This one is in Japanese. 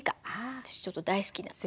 私ちょっと大好きなんで。